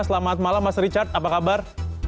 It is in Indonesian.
selamat malam mas richard apa kabar